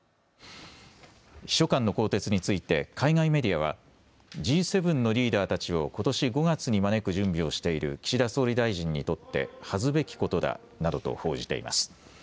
秘書官の更迭について海外メディアはＧ７のリーダーたちをことし５月に招く準備をしている岸田総理大臣にとって恥ずべきことだなどと報じています。